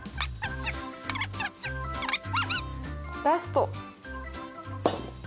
ラスト２。